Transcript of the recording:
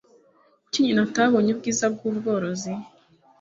Kuki nyina atabonye ubwiza bw'ubworozi?